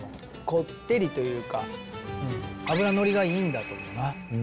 こってりというか、脂乗りがいいんだと思うな。